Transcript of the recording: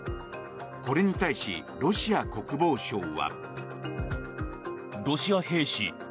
これに対しロシア国防省は。